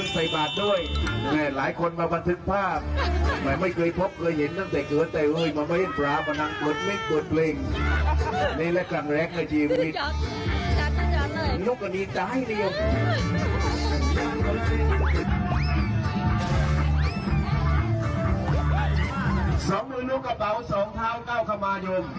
สองหนึ่งลูกกระเป๋าสองเท้าเก้าขมายม